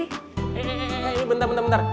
eh bentar bentar bentar